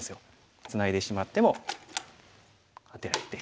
ツナいでしまってもアテられて。